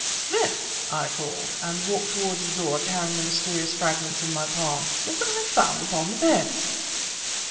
"Smith," I called, and walked towards the door carrying the mysterious fragments in my palm. "Look what I have found upon the bed."